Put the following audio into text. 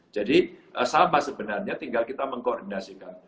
jadi sama sebenarnya tinggal kita mengkoordinasikan